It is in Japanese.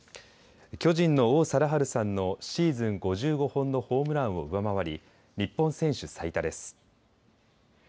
巨人の王貞治さんのシーズン５５本のホームランを上回り日本選手最多です。